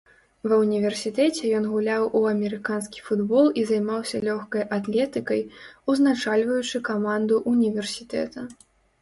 Ва ўніверсітэце ён гуляў у амерыканскі футбол і займаўся лёгкай атлетыкай, узначальваючы каманду ўніверсітэта.